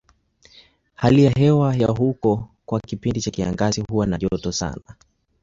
Hali ya hewa ya huko kwa kipindi cha kiangazi huwa na joto sana.